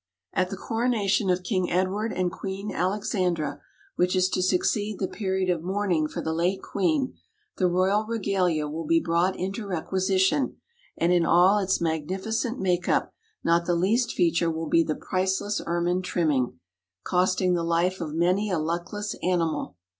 At the coronation of King Edward and Queen Alexandra, which is to succeed the period of mourning for the late queen, the royal regalia will be brought into requisition, and in all its magnificent makeup not the least feature will be the priceless ermine trimming, costing the life of many a luckless animal.